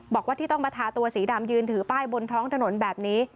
บอกว่าที่ต้องมาทาตัวสีดำยืนถือป้ายบนท้องถนนแบบนี้